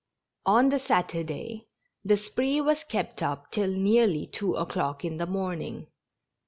On the Saturday, the spree was kept up till nearly two o'clock in the morning.